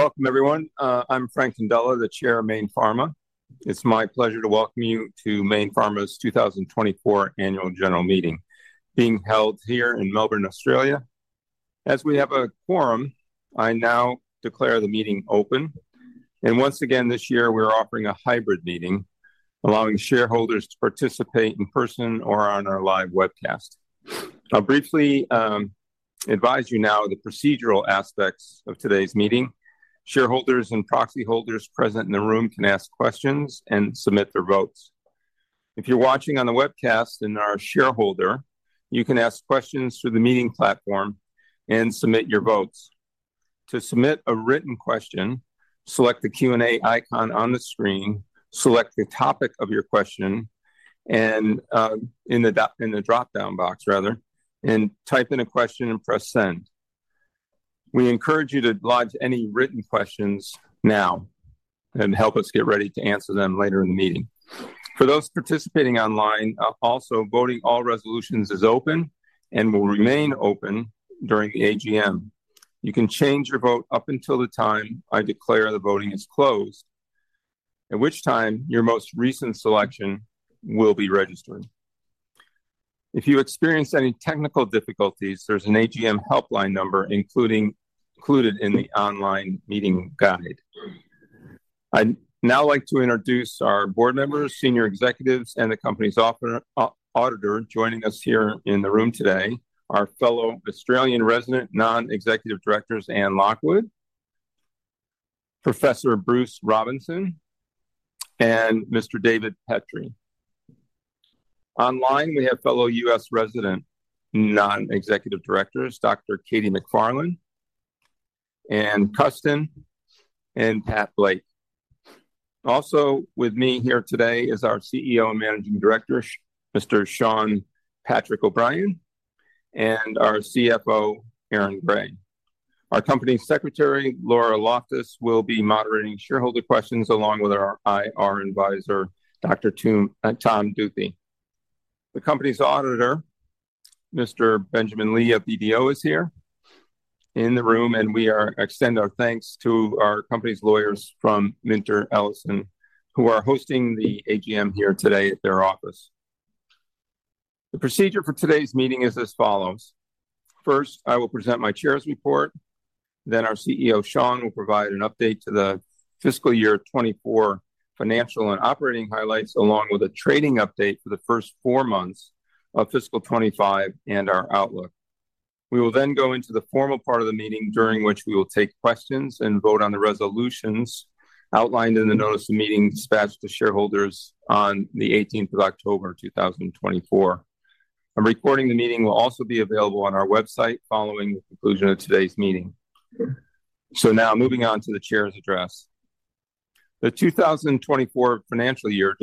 Welcome, everyone. I'm Frank Condella, the Chair of Mayne Pharma. It's my pleasure to welcome you to Mayne Pharma's 2024 Annual General Meeting being held here in Melbourne, Australia. As we have a quorum, I now declare the meeting open. And once again this year, we're offering a hybrid meeting, allowing shareholders to participate in person or on our live webcast. I'll briefly advise you now the procedural aspects of today's meeting. Shareholders and proxy holders present in the room can ask questions and submit their votes. If you're watching on the webcast and are a shareholder, you can ask questions through the meeting platform and submit your votes. To submit a written question, select the Q&A icon on the screen, select the topic of your question in the drop-down box, and type in a question and press send. We encourage you to lodge any written questions now and help us get ready to answer them later in the meeting. For those participating online, also, voting all resolutions is open and will remain open during the AGM. You can change your vote up until the time I declare the voting is closed, at which time your most recent selection will be registered. If you experience any technical difficulties, there's an AGM helpline number included in the online meeting guide. I'd now like to introduce our board members, senior executives, and the company's auditor joining us here in the room today, our fellow Australian resident non-executive directors, Anne Lockwood, Professor Bruce Robinson, and Mr. David Petrie. Online, we have fellow U.S. resident non-executive directors, Dr. Katie MacFarlane, Ann Custin, and Pat Blake. Also with me here today is our CEO and Managing Director, Mr. Shawn Patrick O'Brien, and our CFO, Aaron Gray. Our Company's Secretary, Laura Loftus, will be moderating shareholder questions along with our IR advisor, Dr. Tom Duthy. The company's auditor, Mr. Benjamin Lee of BDO, is here in the room, and we extend our thanks to our company's lawyers, from MinterEllison, who are hosting the AGM here today at their office. The procedure for today's meeting is as follows. First, I will present my chair's report. Then our CEO, Shawn, will provide an update to the fiscal year 2024 financial and operating highlights, along with a trading update for the first four months of fiscal 2025 and our outlook. We will then go into the formal part of the meeting, during which we will take questions and vote on the resolutions outlined in the notice of meeting dispatched to shareholders on the 18th of October, 2024. A recording of the meeting will also be available on our website following the conclusion of today's meeting. So now, moving on to the chair's address. The 2024 financial year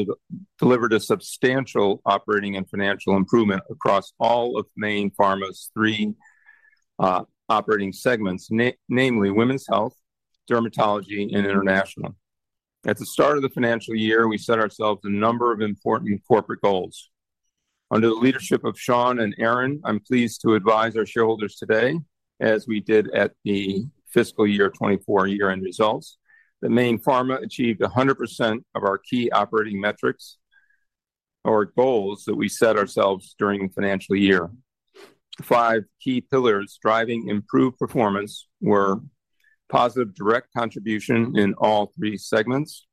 delivered a substantial operating and financial improvement across all of Mayne Pharma's three operating segments, namely women's health, dermatology, and international. At the start of the financial year, we set ourselves a number of important corporate goals. Under the leadership of Shawn and Aaron, I'm pleased to advise our shareholders today, as we did at the fiscal year 2024 year-end results, that Mayne Pharma achieved 100% of our key operating metrics or goals that we set ourselves during the financial year. Five key pillars driving improved performance were positive direct contribution in all three segments,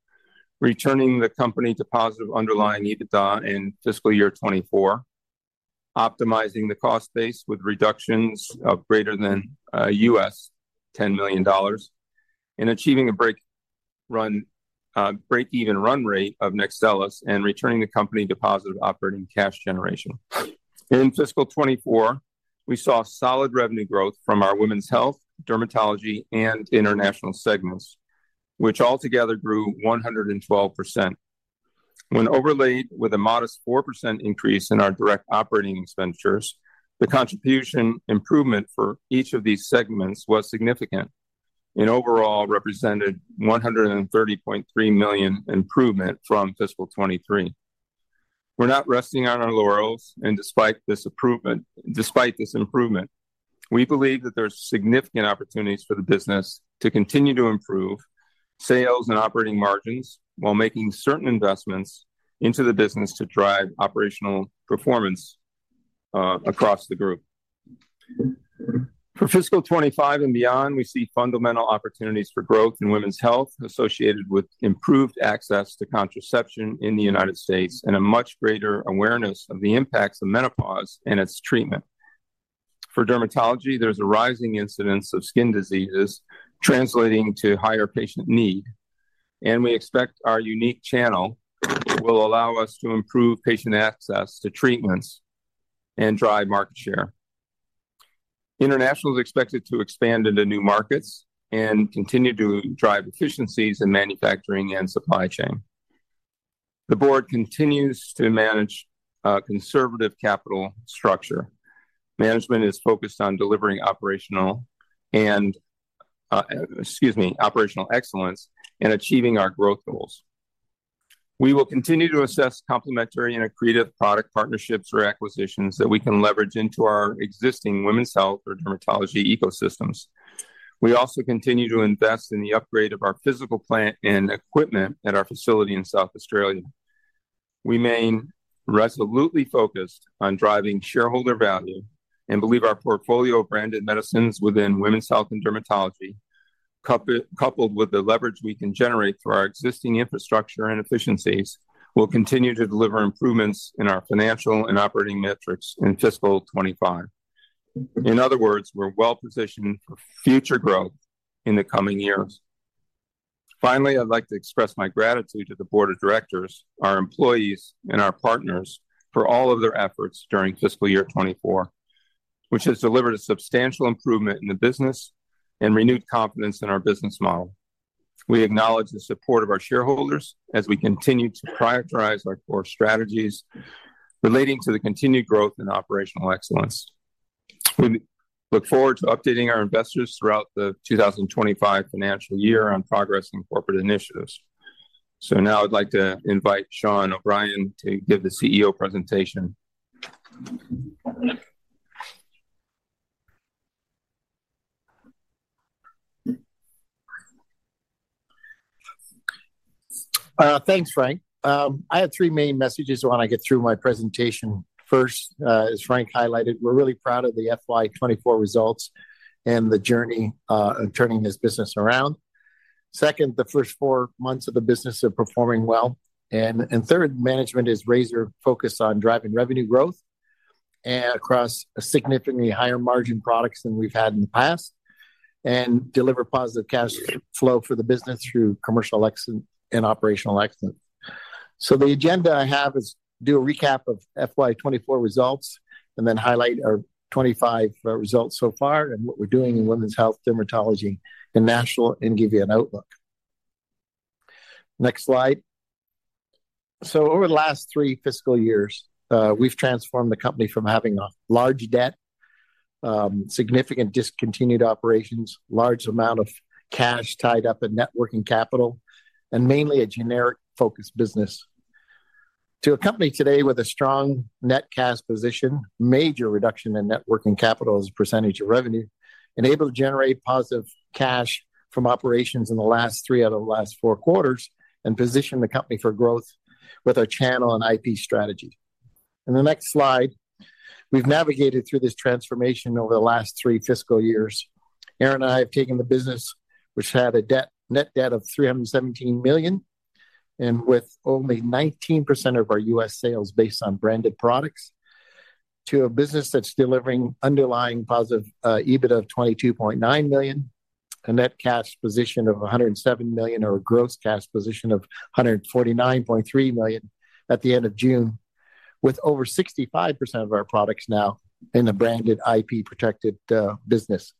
returning the company to positive underlying EBITDA in fiscal year 2024, optimizing the cost base with reductions of greater than U.S. $10 million, and achieving a break-even run rate of Nextellus, and returning the company to positive operating cash generation. In fiscal 2024, we saw solid revenue growth from our women's health, dermatology, and international segments, which altogether grew 112%. When overlaid with a modest 4% increase in our direct operating expenditures, the contribution improvement for each of these segments was significant and overall represented 130.3 million improvement from fiscal 2023. We're not resting on our laurels, and despite this improvement, we believe that there are significant opportunities for the business to continue to improve sales and operating margins while making certain investments into the business to drive operational performance across the group. For fiscal 2025 and beyond, we see fundamental opportunities for growth in women's health associated with improved access to contraception in the United States and a much greater awareness of the impacts of menopause and its treatment. For dermatology, there's a rising incidence of skin diseases translating to higher patient need, and we expect our unique channel will allow us to improve patient access to treatments and drive market share. International is expected to expand into new markets and continue to drive efficiencies in manufacturing and supply chain. The board continues to manage a conservative capital structure. Management is focused on delivering operational excellence and achieving our growth goals. We will continue to assess complementary and accretive product partnerships or acquisitions that we can leverage into our existing women's health or dermatology ecosystems. We also continue to invest in the upgrade of our physical plant and equipment at our facility in South Australia. We remain resolutely focused on driving shareholder value and believe our portfolio of branded medicines within women's health and dermatology, coupled with the leverage we can generate through our existing infrastructure and efficiencies, will continue to deliver improvements in our financial and operating metrics in fiscal 2025. In other words, we're well-positioned for future growth in the coming years. Finally, I'd like to express my gratitude to the board of directors, our employees, and our partners for all of their efforts during fiscal year 2024, which has delivered a substantial improvement in the business and renewed confidence in our business model. We acknowledge the support of our shareholders as we continue to prioritize our core strategies relating to the continued growth and operational excellence. We look forward to updating our investors throughout the 2025 financial year on progress and corporate initiatives. So now I'd like to invite Shawn O'Brien to give the CEO presentation. Thanks, Frank. I had three main messages I want to get through my presentation. First, as Frank highlighted, we're really proud of the FY 2024 results and the journey of turning this business around. Second, the first four months of the business are performing well. And third, management is razor-focused on driving revenue growth across significantly higher margin products than we've had in the past and deliver positive cash flow for the business through commercial excellence and operational excellence. So the agenda I have is to do a recap of FY 2024 results and then highlight our 2025 results so far and what we're doing in women's health, dermatology, and national, and give you an outlook. Next slide. So over the last three fiscal years, we've transformed the company from having a large debt, significant discontinued operations, large amount of cash tied up in working capital, and mainly a generic-focused business to a company today with a strong net cash position, major reduction in working capital as a percentage of revenue, enabled to generate positive cash from operations in the last three out of the last four quarters and position the company for growth with our channel and IP strategy. And the next slide, we've navigated through this transformation over the last three fiscal years. Aaron and I have taken the business, which had a net debt of 317 million and with only 19% of our U.S. sales based on branded products, to a business that's delivering underlying positive EBITDA of 22.9 million, a net cash position of 107 million, or a gross cash position of 149.3 million at the end of June, with over 65% of our products now in a branded IP-protected business.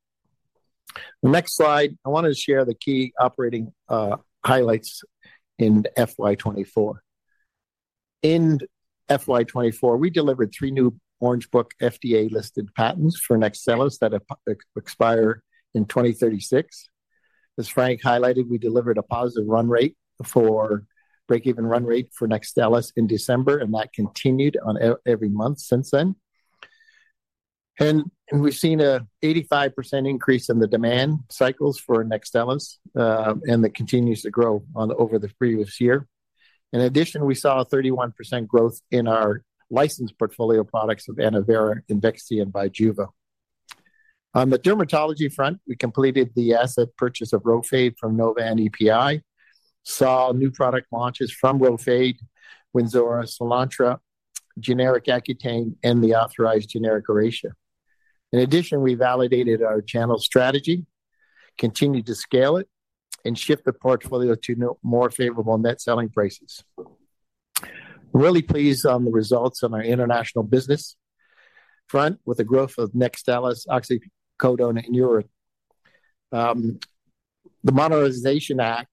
The next slide, I wanted to share the key operating highlights in FY 2024. In FY 2024, we delivered three new Orange Book FDA-listed patents for Nextellus that expire in 2036. As Frank highlighted, we delivered a positive run rate, a break-even run rate for Nextellus in December, and that continued every month since then. And we've seen an 85% increase in the demand cycles for Nextellus, and that continues to grow over the previous year. In addition, we saw a 31% growth in our licensed portfolio products of Annovera, Imvexxy, and Bijuva. On the dermatology front, we completed the asset purchase of Rhofade from EPI Health, saw new product launches from Rhofade, Wynzora, Soolantra, generic Accutane, and the authorized generic Oracea. In addition, we validated our channel strategy, continued to scale it, and shift the portfolio to more favorable net selling prices. Really pleased on the results on our international business front with the growth of Nextstellis, Oxycodone, and Neura. The Modernization Initiative,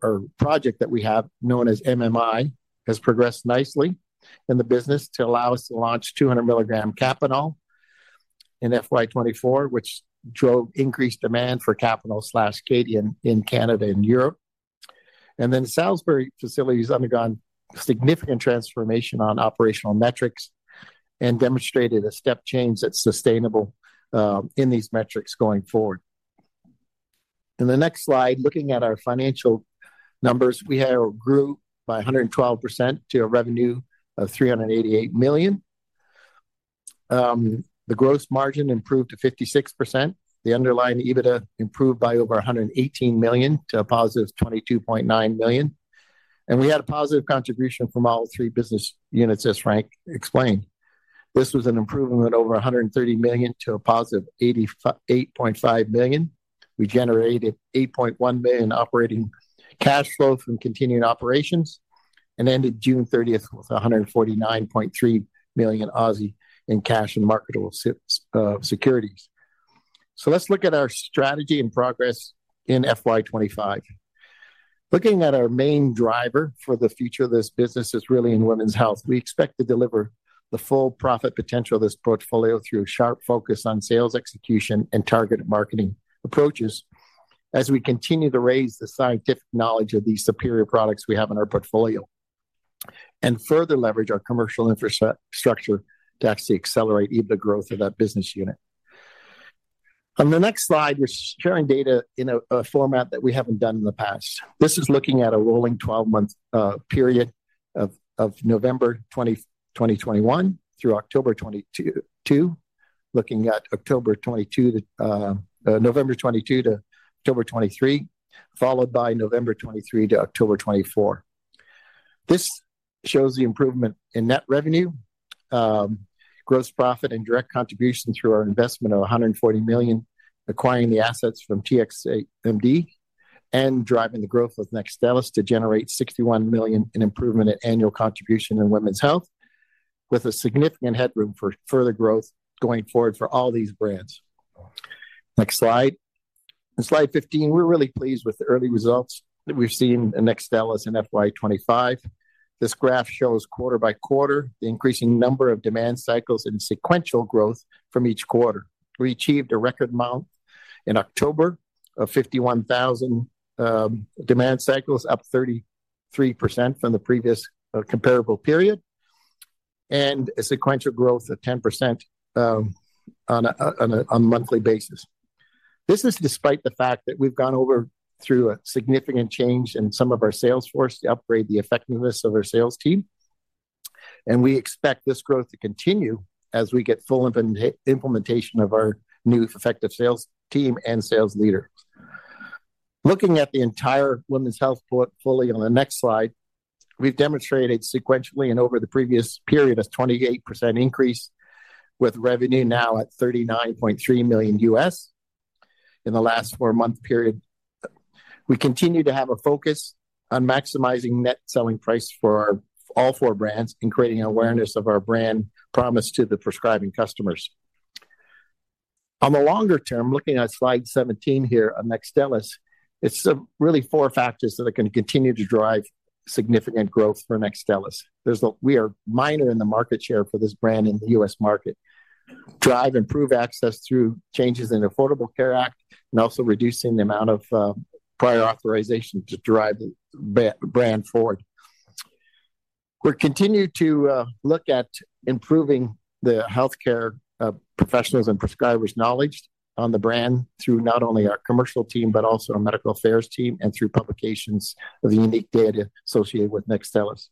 or project that we have known as MMI, has progressed nicely in the business to allow us to launch 200-milligram Kapanol in FY 2024, which drove increased demand for Kapanol/Kadian in Canada and Europe, and the Salisbury facility has undergone significant transformation on operational metrics and demonstrated a step change that's sustainable in these metrics going forward. In the next slide, looking at our financial numbers, we have grown by 112% to a revenue of 388 million. The gross margin improved to 56%. The underlying EBITDA improved by over 118 million to a positive 22.9 million, and we had a positive contribution from all three business units, as Frank explained. This was an improvement of over 130 million to a positive 88.5 million. We generated 8.1 million operating cash flow from continuing operations and ended June 30th with 149.3 million in cash and marketable securities, so let's look at our strategy and progress in FY 2025. Looking at our main driver for the future of this business is really in women's health. We expect to deliver the full profit potential of this portfolio through a sharp focus on sales execution and targeted marketing approaches as we continue to raise the scientific knowledge of these superior products we have in our portfolio and further leverage our commercial infrastructure to actually accelerate EBITDA growth of that business unit. On the next slide, we're sharing data in a format that we haven't done in the past. This is looking at a rolling 12-month period of November 2021 through October 2022, looking at November 2022 to October 2023, followed by November 2023 to October 2024. This shows the improvement in net revenue, gross profit, and direct contribution through our investment of $140 million, acquiring the assets from TXMD and driving the growth of Nextellus to generate $61 million in improvement in annual contribution in women's health, with a significant headroom for further growth going forward for all these brands. Next slide. In slide 15, we're really pleased with the early results that we've seen in Nextellus in FY 2025. This graph shows quarter by quarter the increasing number of demand cycles and sequential growth from each quarter. We achieved a record amount in October of 51,000 demand cycles, up 33% from the previous comparable period, and a sequential growth of 10% on a monthly basis. This is despite the fact that we've gone through a significant change in some of our sales force to upgrade the effectiveness of our sales team and we expect this growth to continue as we get full implementation of our new effective sales team and sales leader. Looking at the entire women's health portfolio on the next slide, we've demonstrated sequentially and over the previous period a 28% increase with revenue now at $39.3 million in the last four-month period. We continue to have a focus on maximizing net selling price for all four brands and creating awareness of our brand promise to the prescribing customers. On the longer term, looking at slide 17 here on Nextstellis, it's really four factors that are going to continue to drive significant growth for Nextstellis. We are minor in the market share for this brand in the U.S. market. Drive improved access through changes in the Affordable Care Act and also reducing the amount of prior authorization to drive the brand forward. We're continuing to look at improving the healthcare professionals and prescribers' knowledge on the brand through not only our commercial team, but also our medical affairs team and through publications of the unique data associated with Nextstellis.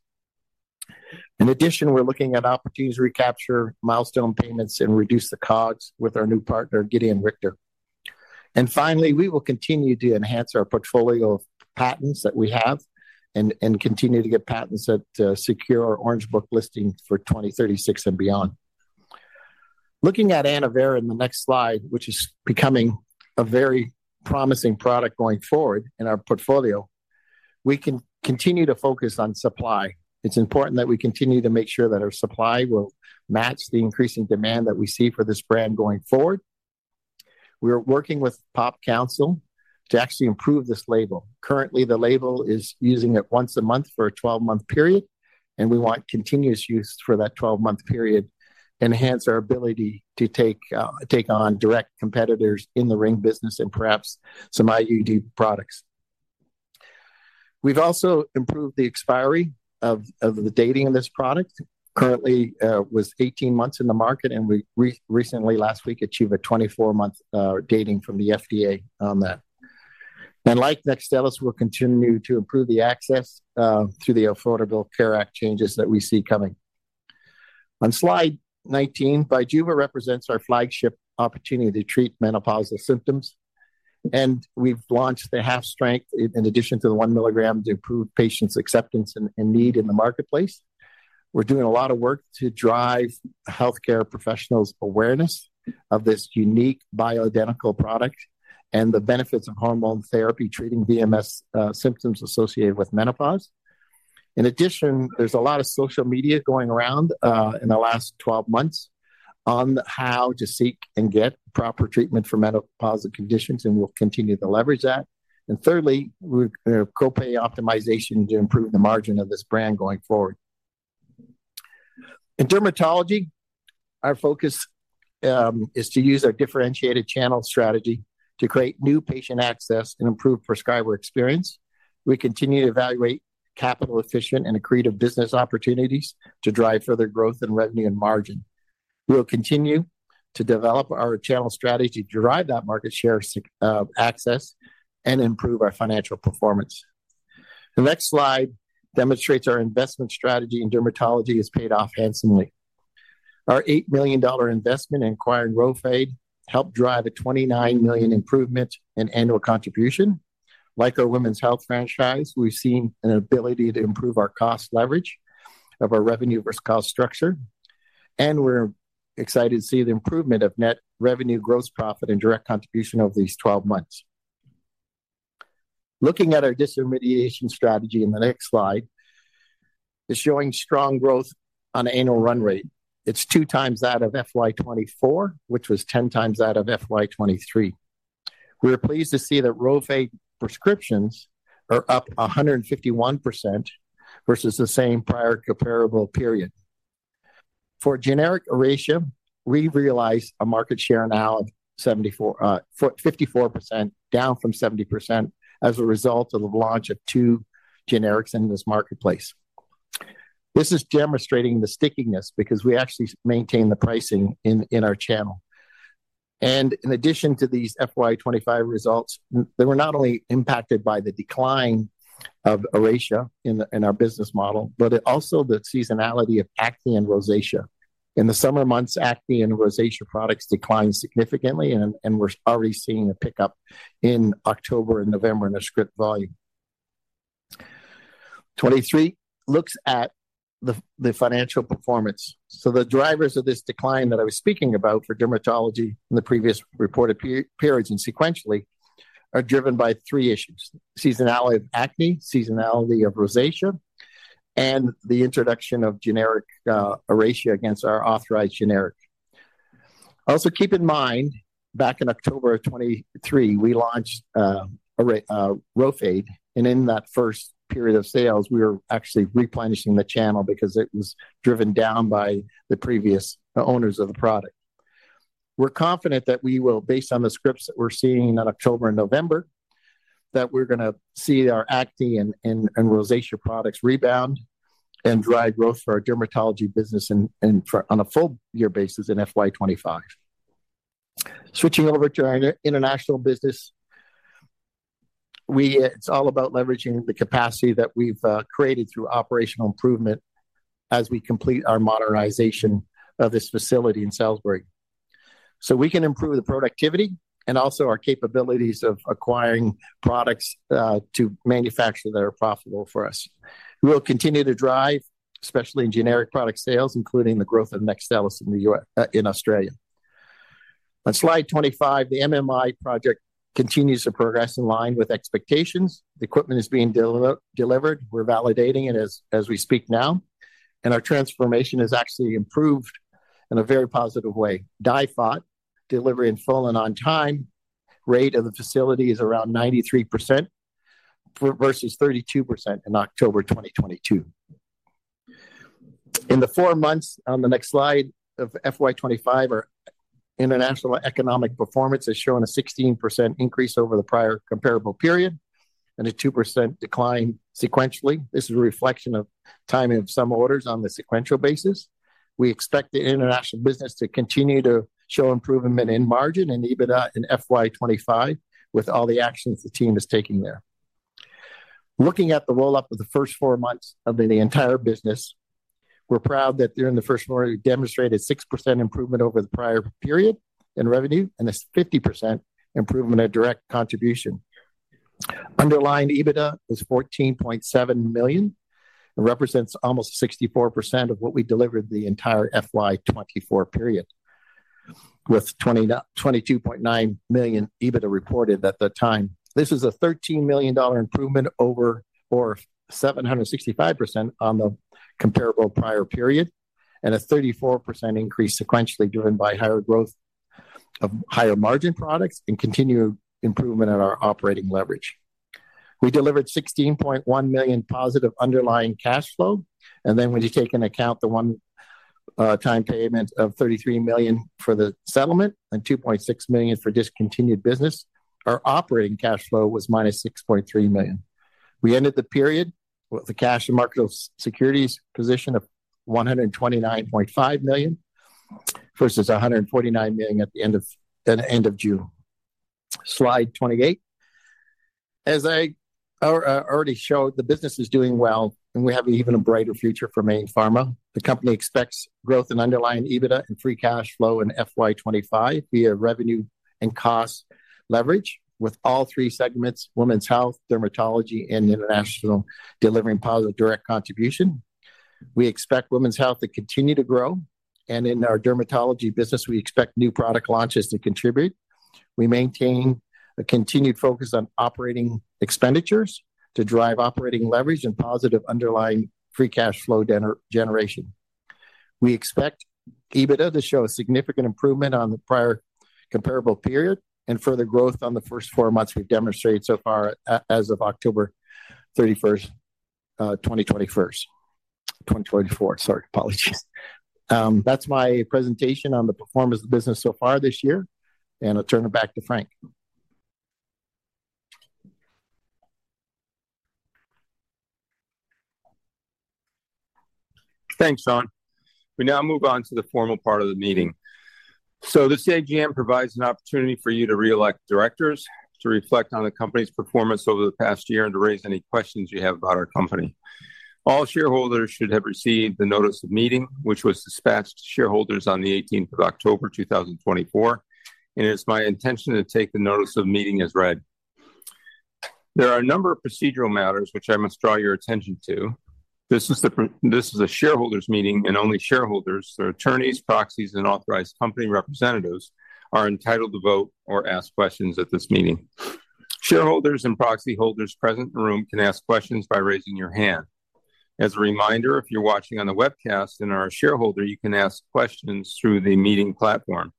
In addition, we're looking at opportunities to recapture milestone payments and reduce the COGS with our new partner, Gedeon Richter. And finally, we will continue to enhance our portfolio of patents that we have and continue to get patents that secure our Orange Book listing for 2036 and beyond. Looking at Annovera in the next slide, which is becoming a very promising product going forward in our portfolio, we can continue to focus on supply. It's important that we continue to make sure that our supply will match the increasing demand that we see for this brand going forward. We are working with Population Council to actually improve this label. Currently, the label is using it once a month for a 12-month period, and we want continuous use for that 12-month period to enhance our ability to take on direct competitors in the ring business and perhaps some IUD products. We've also improved the expiry of the dating of this product. Currently, it was 18 months in the market, and we recently, last week, achieved a 24-month dating from the FDA on that. And like Nextellus, we'll continue to improve the access through the Affordable Care Act changes that we see coming. On slide 19, Bijuva represents our flagship opportunity to treat menopausal symptoms. And we've launched the half-strength in addition to the one milligram to improve patients' acceptance and need in the marketplace. We're doing a lot of work to drive healthcare professionals' awareness of this unique bioidentical product and the benefits of hormone therapy treating VMS symptoms associated with menopause. In addition, there's a lot of social media going around in the last 12 months on how to seek and get proper treatment for menopausal conditions, and we'll continue to leverage that. And thirdly, we're going to co-pay optimization to improve the margin of this brand going forward. In dermatology, our focus is to use our differentiated channel strategy to create new patient access and improve prescriber experience. We continue to evaluate capital-efficient and accretive business opportunities to drive further growth in revenue and margin. We'll continue to develop our channel strategy to drive that market share access and improve our financial performance. The next slide demonstrates our investment strategy in dermatology has paid off handsomely. Our $8 million investment in acquiring Rhofade helped drive a $29 million improvement in annual contribution. Like our women's health franchise, we've seen an ability to improve our cost leverage of our revenue versus cost structure, and we're excited to see the improvement of net revenue, gross profit, and direct contribution over these 12 months. Looking at our dermatology strategy in the next slide, it's showing strong growth on annual run rate. It's two times that of FY 2024, which was 10 times that of FY 2023. We're pleased to see that Rhofade prescriptions are up 151% versus the same prior comparable period. For generic Oracea, we realize a market share now of 54%, down from 70% as a result of the launch of two generics in this marketplace. This is demonstrating the stickiness because we actually maintain the pricing in our channel. In addition to these FY 2025 results, they were not only impacted by the decline of Oracea in our business model, but also the seasonality of acne and rosacea. In the summer months, acne and rosacea products declined significantly, and we're already seeing a pickup in October and November in their script volume. 23 looks at the financial performance. So the drivers of this decline that I was speaking about for dermatology in the previous reported periods and sequentially are driven by three issues: seasonality of acne, seasonality of rosacea, and the introduction of generic Oracea against our authorized generic. Also, keep in mind, back in October of 2023, we launched Rhofade, and in that first period of sales, we were actually replenishing the channel because it was driven down by the previous owners of the product. We're confident that we will, based on the scripts that we're seeing in October and November, that we're going to see our acne and rosacea products rebound and drive growth for our dermatology business on a full-year basis in FY 2025. Switching over to our international business, it's all about leveraging the capacity that we've created through operational improvement as we complete our modernization of this facility in Salisbury. So we can improve the productivity and also our capabilities of acquiring products to manufacture that are profitable for us. We'll continue to drive, especially in generic product sales, including the growth of Nextstellis in Australia. On slide 25, the MMI project continues to progress in line with expectations. The equipment is being delivered. We're validating it as we speak now. And our transformation has actually improved in a very positive way. DIFOT delivery and full and on-time rate of the facility is around 93% versus 32% in October 2022. In the four months on the next slide of FY 2025, our international economic performance is showing a 16% increase over the prior comparable period and a 2% decline sequentially. This is a reflection of timing of some orders on the sequential basis. We expect the international business to continue to show improvement in margin and EBITDA in FY 2025 with all the actions the team is taking there. Looking at the roll-up of the first four months of the entire business, we're proud that during the Q1, we demonstrated 6% improvement over the prior period in revenue and a 50% improvement in direct contribution. Underlying EBITDA is 14.7 million and represents almost 64% of what we delivered the entire FY 2024 period, with 22.9 million EBITDA reported at the time. This is a $13 million improvement over, or 765% on the comparable prior period and a 34% increase sequentially driven by higher growth of higher margin products and continued improvement in our operating leverage. We delivered 16.1 million positive underlying cash flow. Then when you take into account the one-time payment of 33 million for the settlement and 2.6 million for discontinued business, our operating cash flow was -6.3 million. We ended the period with a cash and marketable securities position of 129.5 million versus 149 million at the end of June. Slide 28. As I already showed, the business is doing well, and we have even a brighter future for Mayne Pharma. The company expects growth in underlying EBITDA and free cash flow in FY 2025 via revenue and cost leverage with all three segments: women's health, dermatology, and international delivering positive direct contribution. We expect women's health to continue to grow. And in our dermatology business, we expect new product launches to contribute. We maintain a continued focus on operating expenditures to drive operating leverage and positive underlying free cash flow generation. We expect EBITDA to show a significant improvement on the prior comparable period and further growth on the first four months we've demonstrated so far as of October 31st, 2024. Sorry, apologies. That's my presentation on the performance of the business so far this year. And I'll turn it back to Frank. Thanks, Shawn. We now move on to the formal part of the meeting. So this AGM provides an opportunity for you to reelect directors, to reflect on the company's performance over the past year, and to raise any questions you have about our company. All shareholders should have received the notice of meeting, which was dispatched to shareholders on the 18th of October, 2024. And it's my intention to take the notice of meeting as read. There are a number of procedural matters which I must draw your attention to. This is a shareholders' meeting, and only shareholders, their attorneys, proxies, and authorized company representatives are entitled to vote or ask questions at this meeting. Shareholders and proxy holders present in the room can ask questions by raising your hand. As a reminder, if you're watching on a webcast and are a shareholder, you can ask questions through the meeting platform.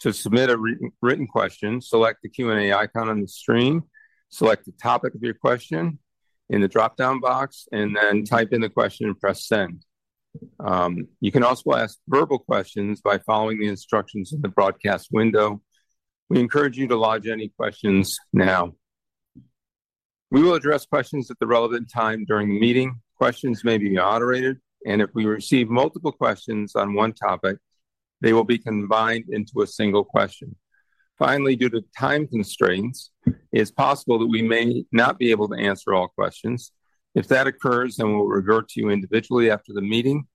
To submit a written question, select the Q&A icon on the screen, select the topic of your question in the drop-down box, and then type in the question and press send. You can also ask verbal questions by following the instructions in the broadcast window. We encourage you to lodge any questions now. We will address questions at the relevant time during the meeting. Questions may be moderated, and if we receive multiple questions on one topic, they will be combined into a single question. Finally, due to time constraints, it is possible that we may not be able to answer all questions. If that occurs, then we'll revert to you individually after the meeting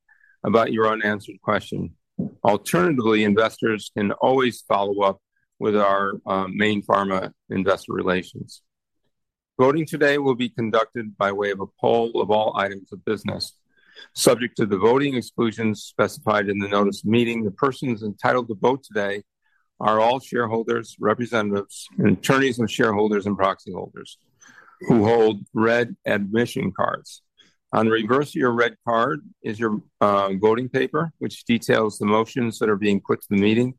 about your unanswered question. Alternatively, investors can always follow up with our Mayne Pharma investor relations. Voting today will be conducted by way of a poll of all items of business. Subject to the voting exclusions specified in the notice of meeting, the persons entitled to vote today are all shareholders, representatives, and attorneys of shareholders and proxy holders who hold red admission cards. On the reverse of your red card is your voting paper, which details the motions that are being put to the meeting.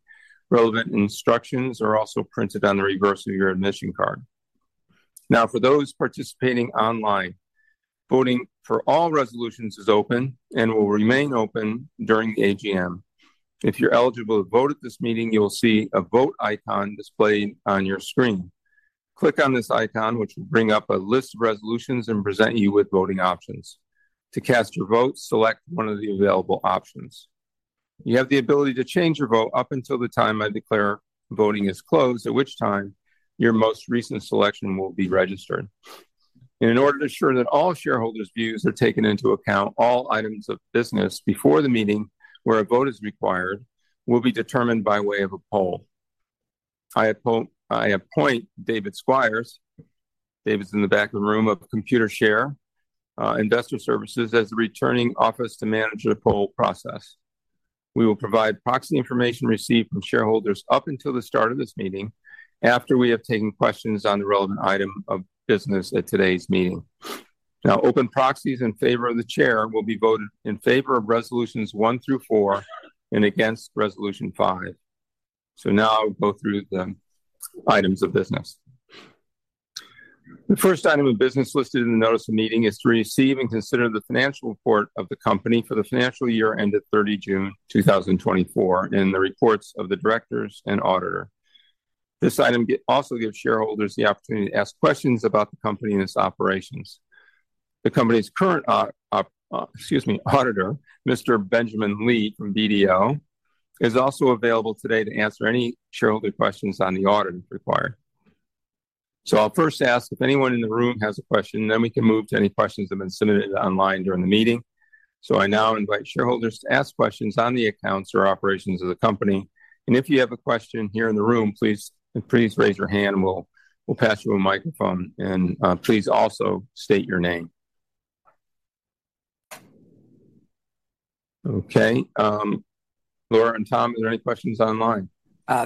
Relevant instructions are also printed on the reverse of your admission card. Now, for those participating online, voting for all resolutions is open and will remain open during the AGM. If you're eligible to vote at this meeting, you'll see a vote icon displayed on your screen. Click on this icon, which will bring up a list of resolutions and present you with voting options. To cast your vote, select one of the available options. You have the ability to change your vote up until the time I declare voting is closed, at which time your most recent selection will be registered. In order to ensure that all shareholders' views are taken into account, all items of business before the meeting where a vote is required will be determined by way of a poll. I appoint David Squires, David's in the back of the room, of Computershare Investor Services as the returning officer to manage the poll process. We will provide proxy information received from shareholders up until the start of this meeting after we have taken questions on the relevant item of business at today's meeting. Now, open proxies in favor of the chair will be voted in favor of resolutions one through four and against resolution five. So now I'll go through the items of business. The first item of business listed in the notice of meeting is to receive and consider the financial report of the company for the financial year ended 30 June 2024 and the reports of the directors and auditor. This item also gives shareholders the opportunity to ask questions about the company and its operations. The company's current, excuse me, auditor, Mr. Benjamin Lee from BDO, is also available today to answer any shareholder questions on the audit required. So I'll first ask if anyone in the room has a question, then we can move to any questions that have been submitted online during the meeting. So I now invite shareholders to ask questions on the accounts or operations of the company. And if you have a question here in the room, please raise your hand. We'll pass you a microphone. And please also state your name. Okay. Laura and Tom, are there any questions online?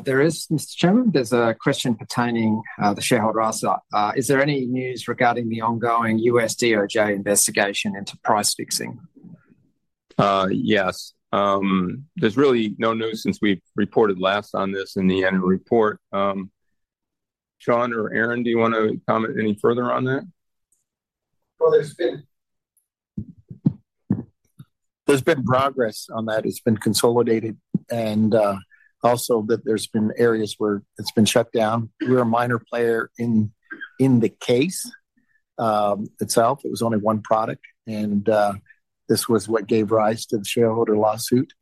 There is, Mr. Chairman. There's a question pertaining to shareholder asset. Is there any news regarding the ongoing U.S. DOJ investigation into price fixing? Yes. There's really no news since we reported last on this in the annual report. Shawn or Aaron, do you want to comment any further on that? There's been progress on that. It's been consolidated. Also, that there's been areas where it's been shut down. We're a minor player in the case itself. It was only one product. This was what gave rise to the shareholder lawsuit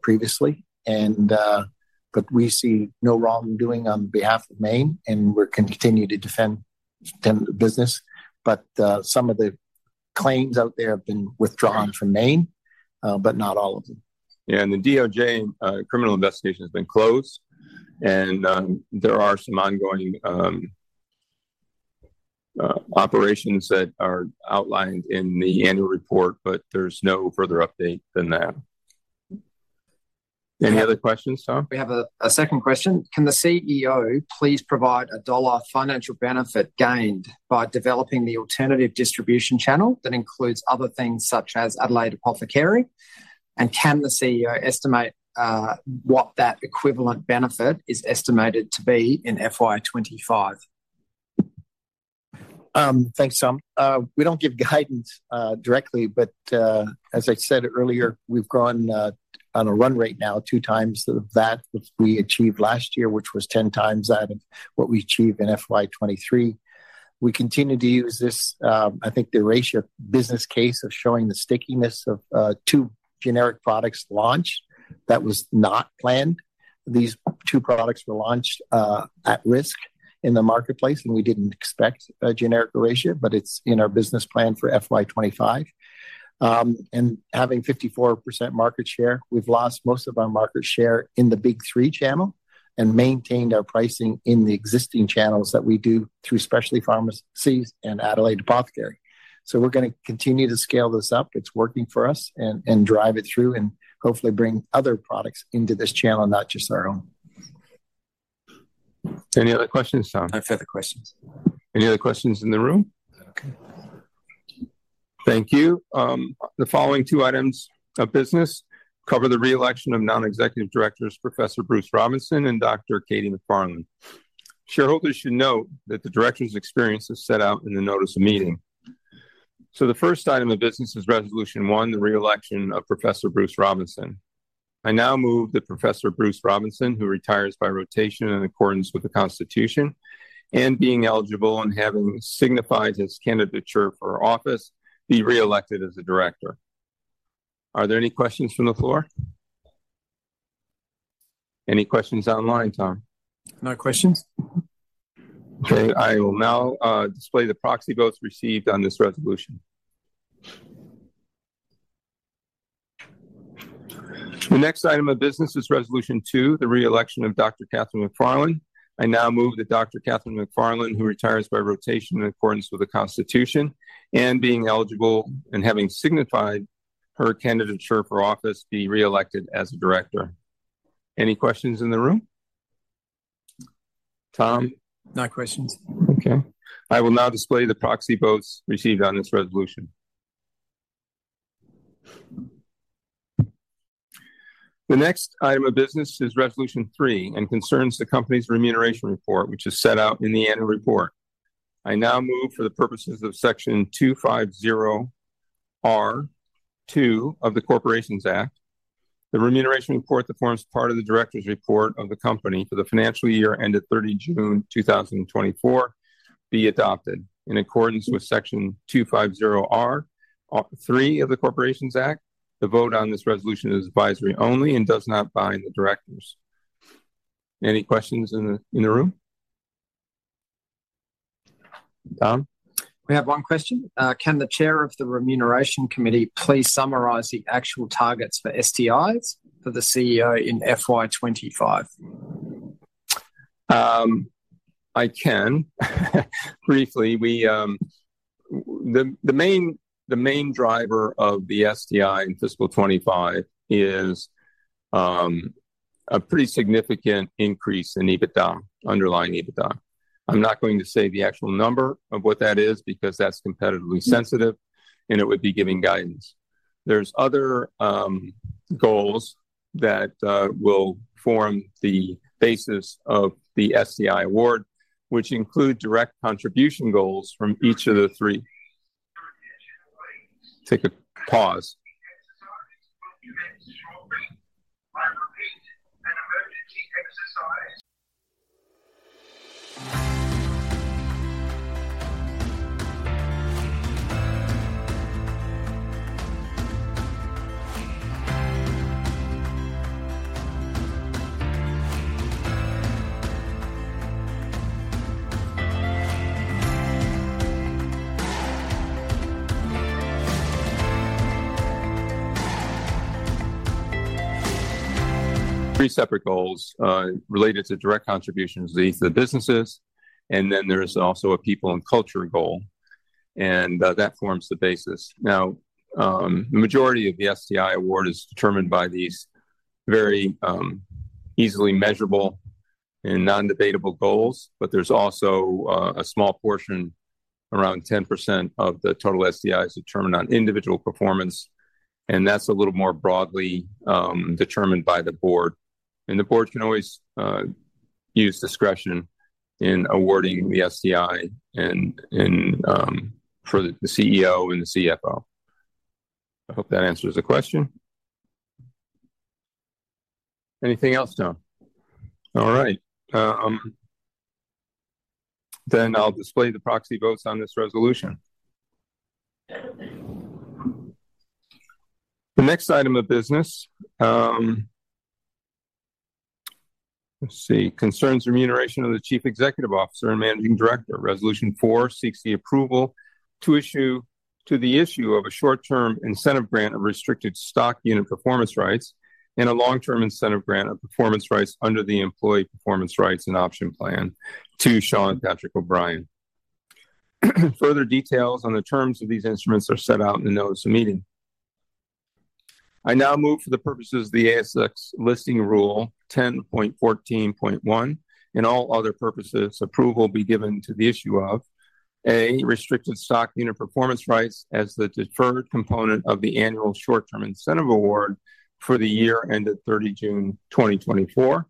previously. We see no wrongdoing on behalf of Mayne, and we're continuing to defend the business. Some of the claims out there have been withdrawn from Mayne, but not all of them. Yeah. And the DOJ criminal investigation has been closed. And there are some ongoing operations that are outlined in the annual report, but there's no further update than that. Any other questions, Tom? We have a second question. Can the CEO please provide a dollar financial benefit gained by developing the alternative distribution channel that includes other things such as Adelaide Apothecary? And can the CEO estimate what that equivalent benefit is estimated to be in FY 2025? Thanks, Tom. We don't give guidance directly, but as I said earlier, we've gone on a run rate now two times that which we achieved last year, which was 10 times that of what we achieved in FY 2023. We continue to use this, I think, the ratio business case of showing the stickiness of two generic products launched. That was not planned. These two products were launched at risk in the marketplace, and we didn't expect a generic ratio, but it's in our business plan for FY 2025. And having 54% market share, we've lost most of our market share in the big three channel and maintained our pricing in the existing channels that we do through specialty pharmacies and Adelaide Apothecary. So we're going to continue to scale this up. It's working for us and drive it through and hopefully bring other products into this channel, not just our own. Any other questions, Tom? No further questions. Any other questions in the room? Okay. Thank you. The following two items of business cover the reelection of non-executive directors, Professor Bruce Robinson, and Dr. Katie MacFarlane. Shareholders should note that the director's experience is set out in the notice of meeting. So the first item of business is resolution one, the reelection of Professor Bruce Robinson. I now move that Professor Bruce Robinson, who retires by rotation in accordance with the Constitution and being eligible and having signified his candidature for office, be reelected as a director. Are there any questions from the floor? Any questions online, Tom? No questions. Okay. I will now display the proxy votes received on this resolution. The next item of business is resolution two, the reelection of Dr. Katie MacFarlane. I now move that Dr. Katie MacFarlane, who retires by rotation in accordance with the Constitution and being eligible and having signified her candidature for office, be reelected as a director. Any questions in the room? Tom? No questions. Okay. I will now display the proxy votes received on this resolution. The next item of business is resolution three and concerns the company's remuneration report, which is set out in the annual report. I now move, for the purposes of section 250R(2) of the Corporations Act, the remuneration report that forms part of the director's report of the company for the financial year ended 30 June 2024 be adopted in accordance with section 250R(3) of the Corporations Act. The vote on this resolution is advisory only and does not bind the directors. Any questions in the room? Tom? We have one question. Can the Chair of the remuneration committee please summarize the actual targets for STIs for the CEO in FY 2025? I can. Briefly, the main driver of the STI in fiscal 2025 is a pretty significant increase in EBITDA, underlying EBITDA. I'm not going to say the actual number of what that is because that's competitively sensitive, and it would be giving guidance. There's other goals that will form the basis of the STI award, which include direct contribution goals from each of the three. Three separate goals related to direct contributions to each of the businesses, and then there is also a people and culture goal, and that forms the basis. Now, the majority of the STI award is determined by these very easily measurable and non-debatable goals, but there's also a small portion, around 10% of the total STIs, determined on individual performance, and that's a little more broadly determined by the board. The board can always use discretion in awarding the STI for the CEO and the CFO. I hope that answers the question. Anything else, Tom? All right. I'll display the proxy votes on this resolution. The next item of business, let's see, concerns remuneration of the Chief Executive Officer and Managing Director. Resolution four seeks approval for the issue of a short-term incentive grant of restricted stock unit performance rights and a long-term incentive grant of performance rights under the Employee Performance Rights and Option Plan to Shawn Patrick O’Brien. Further details on the terms of these instruments are set out in the notice of meeting. I now move, for the purposes of the ASX listing rule 10.14.1, and all other purposes, approval will be given to the issue of a restricted stock unit performance rights as the deferred component of the annual short-term incentive award for the year ended 30 June 2024,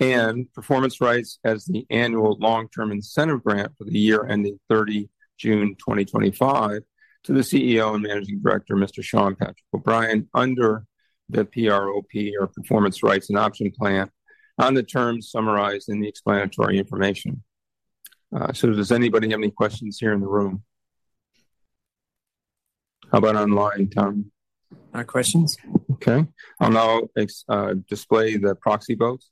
and performance rights as the annual long-term incentive grant for the year ending 30 June 2025 to the CEO and Managing Director, Mr. Shawn Patrick O'Brien, under the PROP, or Performance Rights and Option Plan, on the terms summarized in the explanatory information. So does anybody have any questions here in the room? How about online, Tom? No questions. Okay. I'll now display the proxy votes.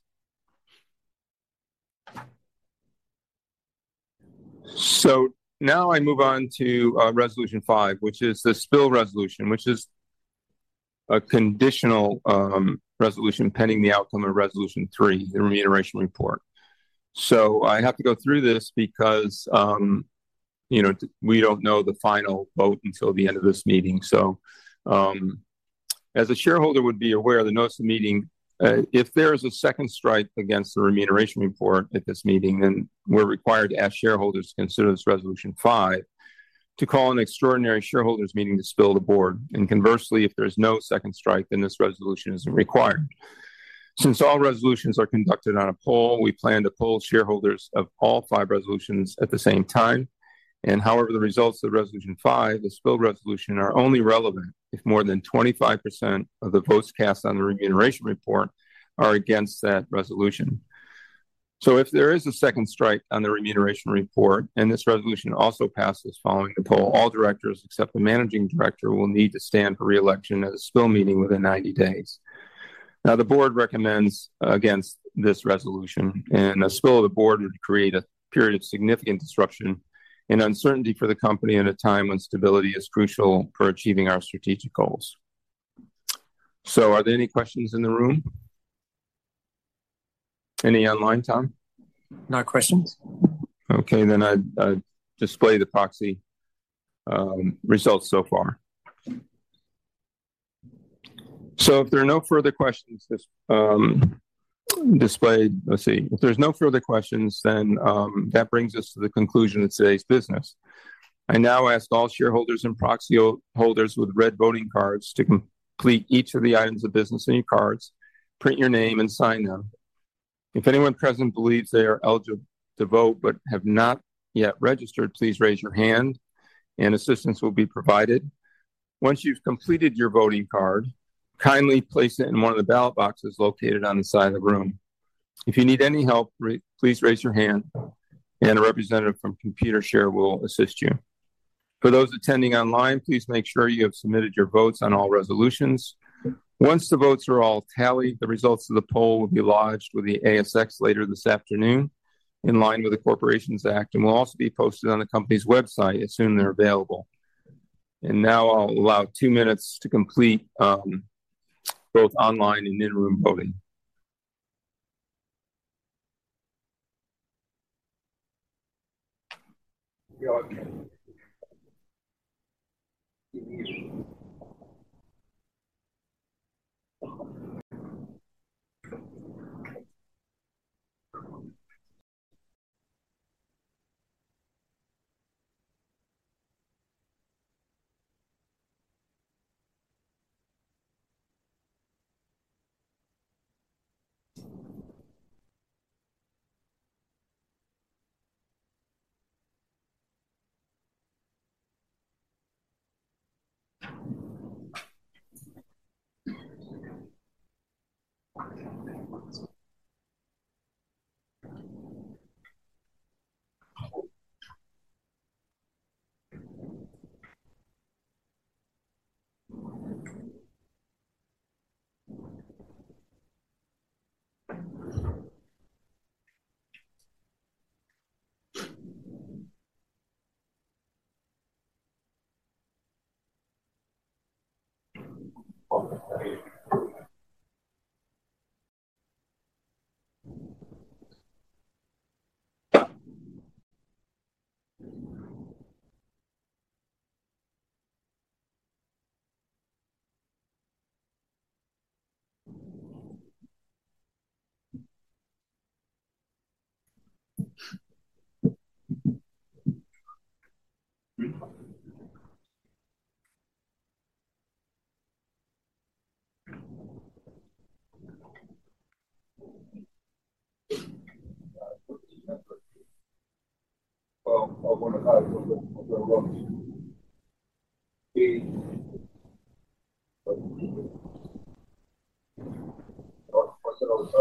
So now I move on to resolution five, which is the spill resolution, which is a conditional resolution pending the outcome of resolution three, the remuneration report. So I have to go through this because we don't know the final vote until the end of this meeting. So as a shareholder would be aware, the notice of meeting, if there is a second strike against the remuneration report at this meeting, then we're required to ask shareholders to consider this resolution five to call an extraordinary shareholders' meeting to spill the board. And conversely, if there's no second strike, then this resolution isn't required. Since all resolutions are conducted on a poll, we plan to poll shareholders of all five resolutions at the same time. However, the results of resolution five, the spill resolution, are only relevant if more than 25% of the votes cast on the remuneration report are against that resolution. If there is a second strike on the remuneration report and this resolution also passes following the poll, all directors, except the managing director, will need to stand for reelection at a spill meeting within 90 days. Now, the board recommends against this resolution. A spill of the board would create a period of significant disruption and uncertainty for the company at a time when stability is crucial for achieving our strategic goals. Are there any questions in the room? Any online, Tom? No questions. Okay. Then I display the proxy results so far. So if there are no further questions, let's see. If there's no further questions, then that brings us to the conclusion of today's business. I now ask all shareholders and proxy holders with red voting cards to complete each of the items of business in your cards, print your name, and sign them. If anyone present believes they are eligible to vote but have not yet registered, please raise your hand, and assistance will be provided. Once you've completed your voting card, kindly place it in one of the ballot boxes located on the side of the room. If you need any help, please raise your hand, and a representative from Computershare will assist you. For those attending online, please make sure you have submitted your votes on all resolutions. Once the votes are all tallied, the results of the poll will be lodged with the ASX later this afternoon in line with the Corporations Act and will also be posted on the company's website as soon as they're available, and now I'll allow two minutes to complete both online and in-room voting. Okay.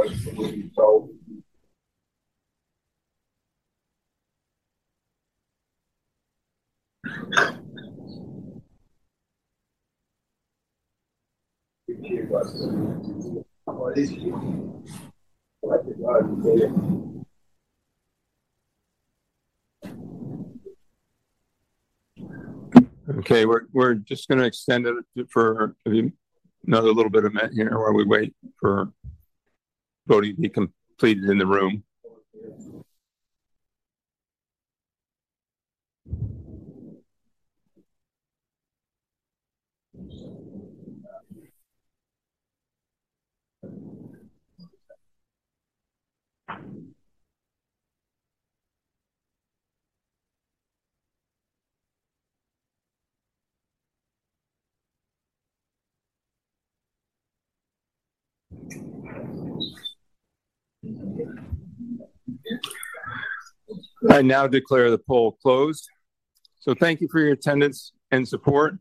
We're just going to extend it for another little bit of minute here while we wait for voting to be completed in the room. I now declare the poll closed, so thank you for your attendance and support.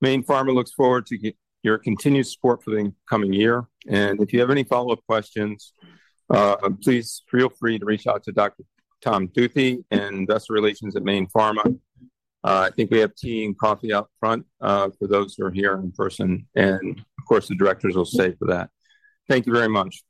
Mayne Pharma looks forward to your continued support for the coming year, and if you have any follow-up questions, please feel free to reach out to Dr. Tom Duthy and investor relations at Mayne Pharma. I think we have tea and coffee out front for those who are here in person. Of course, the directors will stay for that. Thank you very much.